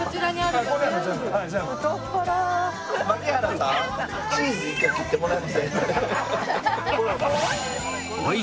はい。